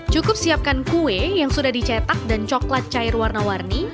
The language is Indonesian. cukup siapkan kue yang sudah dicetak dan coklat cair warna warni